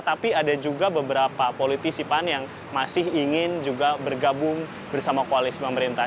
tapi ada juga beberapa politisi pan yang masih ingin juga bergabung bersama koalisi pemerintah